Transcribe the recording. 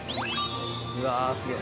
うわあすげえ。